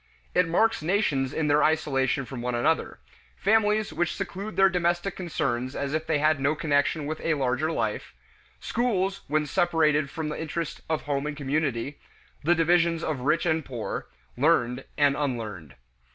It marks nations in their isolation from one another; families which seclude their domestic concerns as if they had no connection with a larger life; schools when separated from the interest of home and community; the divisions of rich and poor; learned and unlearned.